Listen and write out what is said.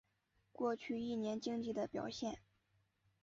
过去一年经济的表现